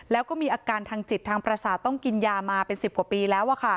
แล้วก็มีอาการทางจิตทางประสาทต้องกินยามาเป็น๑๐กว่าปีแล้ว